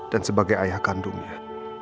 dan sebagai ayah kandungnya